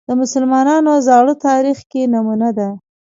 د مسلمانانو زاړه تاریخ کې نمونه ده